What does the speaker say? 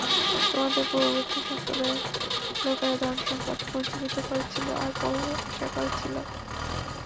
তোমাদের পূর্ববর্তী সম্প্রদায়ের লোকেরা ধন-সম্পদ পুঞ্জিভূত করছিল আর বহু আশা করেছিল।